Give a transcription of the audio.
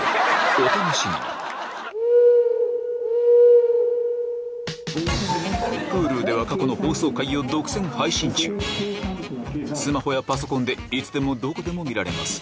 お楽しみにＨｕｌｕでは過去の放送回を独占配信中スマホやパソコンでいつでもどこでも見られます